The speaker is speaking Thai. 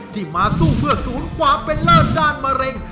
ที่มาสู้เพื่อศูนย์ความเป็นเลิศด้านมะเร็ง